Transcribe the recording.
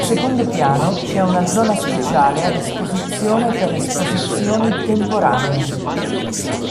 Al secondo piano c'è una zona speciale a disposizione per esposizioni temporanee.